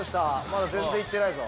まだ全然行ってないぞ。